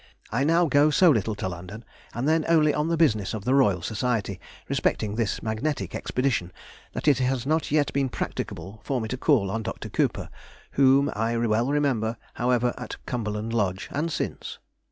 I now go so little to London, and then only on the business of the Royal Society respecting this magnetic expedition, that it has not yet been practicable for me to call on Dr. Küper, whom I well remember, however, at Cumberland Lodge, and since.